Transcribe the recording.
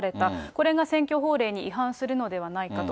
これが選挙法令に違反するのではないかと。